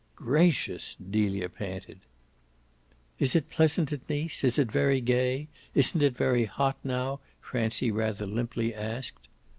"Gracious!" Delia panted. "Is it pleasant at Nice? Is it very gay? Isn't it very hot now?" Francie rather limply asked.